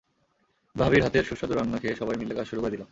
ভাবির হাতের সুস্বাদু রান্না খেয়ে সবাই মিলে কাজ শুরু করে দিলাম।